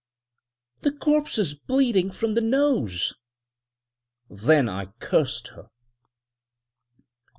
"The corpse is bleeding from the nose." Then I cursed her.